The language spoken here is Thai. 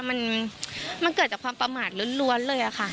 มันเกิดจากความประมาทล้วนเลยค่ะ